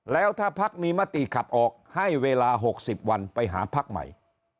แล้วถ้าพักมีมติขับออกให้เวลา๖๐วันไปหาพักใหม่